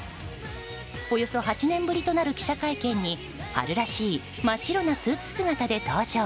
およそ８年ぶりとなる記者会見に春らしい真っ白なスーツ姿で登場。